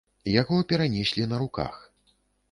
Яго перанеслі на руках.